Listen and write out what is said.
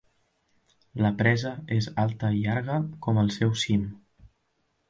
La presa és alta i llarga com el seu cim.